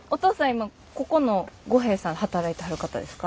今ここの五兵衛さんで働いてはる方ですか？